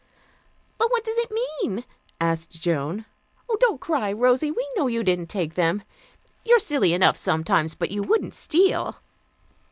"But what does it mean?" asked Joan. "Don't cry, Rosy, we know you didn't take them. You are silly enough sometimes, but you wouldn't steal."